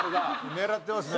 狙ってますね。